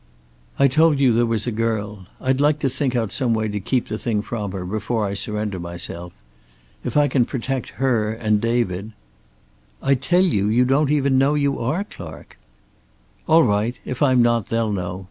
"I told you there was a girl. I'd like to think out some way to keep the thing from her, before I surrender myself. If I can protect her, and David " "I tell you, you don't even know you are Clark." "All right. If I'm not, they'll know.